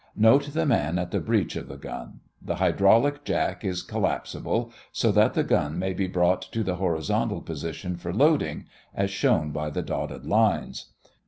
Note the man at the breech of the gun. The hydraulic jack is collapsible, so that the gun may be brought to the horizontal position for loading, as shown by the dotted lines.